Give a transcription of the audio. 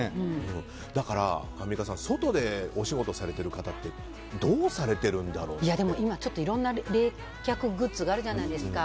だから、アンミカさん外でお仕事されてる方って今、いろんな冷却グッズがあるじゃないですか。